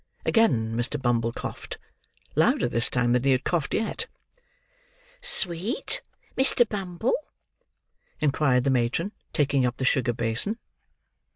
Again Mr. Bumble coughed—louder this time than he had coughed yet. "Sweet? Mr. Bumble?" inquired the matron, taking up the sugar basin.